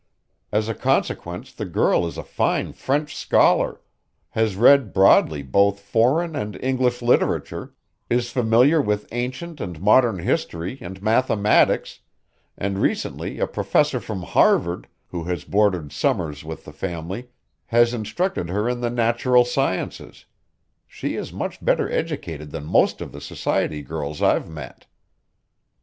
As a consequence the girl is a fine French scholar; has read broadly both foreign and English literature; is familiar with ancient and modern history and mathematics; and recently a professor from Harvard, who has boarded summers with the family, has instructed her in the natural sciences. She is much better educated than most of the society girls I've met."